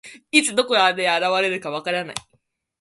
いつ、どこから現れるか分からない。